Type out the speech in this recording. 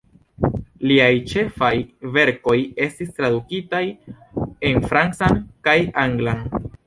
Liaj ĉefaj verkoj estis tradukitaj en francan kaj anglan.